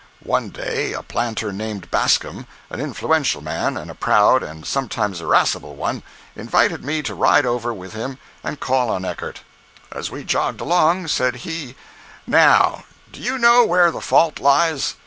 One day a planter named Bascom, an influential man, and a proud and sometimes irascible one, invited me to ride over with him and call on Eckert. As we jogged along, said he: "Now, do you know where the fault lies?